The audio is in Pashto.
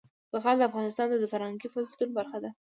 زغال د افغانستان د فرهنګي فستیوالونو برخه ده.